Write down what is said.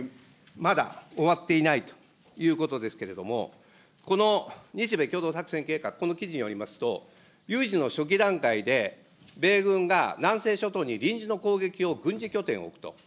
まだ終わっていないということですけれども、この日米共同作戦計画、この記事によりますと、有事の初期段階で、米軍が南西諸島に臨時の攻撃を軍事拠点を置くと。